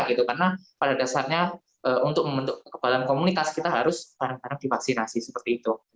karena pada dasarnya untuk membentuk kebalan komunitas kita harus barang barang divaksinasi seperti itu